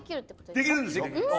できるんです。